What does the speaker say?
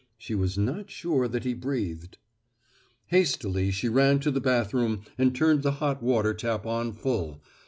She was not sure that he breathed. Hastily she ran to the bathroom and turned the hot water tap on full.